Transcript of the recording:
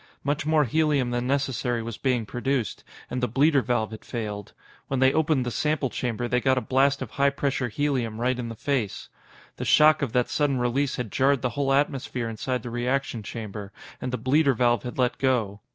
Much more helium than necessary was being produced, and the bleeder valve had failed. When they opened the sample chamber, they got a blast of high pressure helium right in the face. The shock of that sudden release had jarred the whole atmosphere inside the reaction chamber, and the bleeder valve had let go.